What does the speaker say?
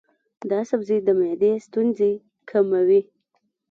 دا سبزی د معدې ستونزې کموي.